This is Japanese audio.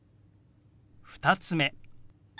２つ目。